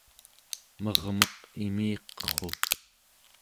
mermek imiqerru